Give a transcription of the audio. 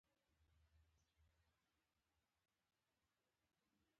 کوږ ذهن له روښان فکر نه کرکه لري